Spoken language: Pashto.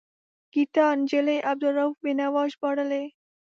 ګیتا نجلي عبدالرؤف بینوا ژباړلی.